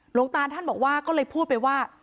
หลวงตาท่านบอกว่าก็เลยพูดไปว่า